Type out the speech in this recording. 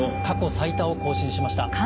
過去最多を更新しました。